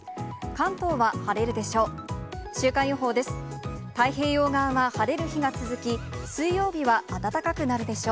関東は晴れるでしょう。